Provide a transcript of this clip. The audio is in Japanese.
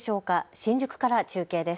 新宿から中継です。